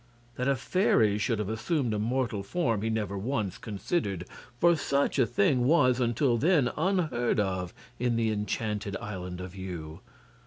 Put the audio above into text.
That a fairy should have assumed a mortal form he never once considered, for such a thing was until then unheard of in the Enchanted Island of Yew.